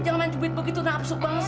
jangan indubit begitu nafsu banget